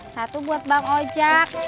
satu buat bang ojak